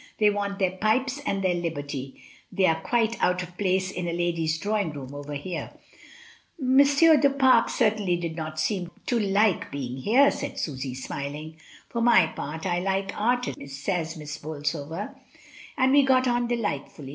"They want their pipes arid their liberty; they are quite but of place in a lady's drawing room over here."' "M. du Pare certainly did not seem to like being here," said Susy, smiling. For my part, I like artists," says Miss Bolsover; "and we got on delightfully.